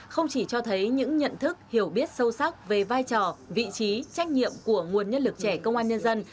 không chỉ cho thấy những nhận thức hiểu biết sâu sắc về vai trò vị trí trách nhiệm của nguồn nhân lực trẻ công an nhân dân